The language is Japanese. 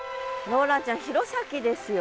ローランちゃん弘前ですよ。